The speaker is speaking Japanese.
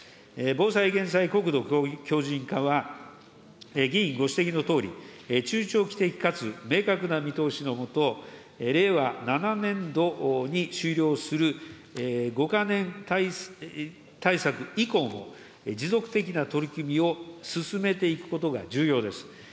防災・減災、国土強じん化は、議員ご指摘のとおり、中長期的かつ明確な見通しの下、令和７年度に終了する５か年対策以降も、持続的な取り組みを進めていくことが重要です。